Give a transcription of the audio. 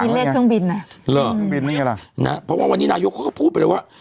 เลขเครื่องบินน่ะเหรอเครื่องบินนี่ไงล่ะนะเพราะว่าวันนี้นายกเขาก็พูดไปเลยว่า